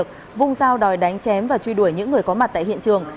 công giao đòi đánh chém và truy đuổi những người có mặt tại hiện trường